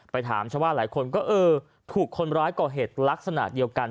ถามชาวบ้านหลายคนก็เออถูกคนร้ายก่อเหตุลักษณะเดียวกัน